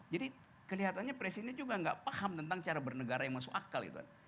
jadi kelihatannya presiden juga nggak paham tentang cara bernegara yang masuk akal itu kan